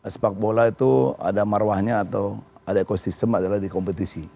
sepak bola itu ada marwahnya atau ada ekosistem adalah di kompetisi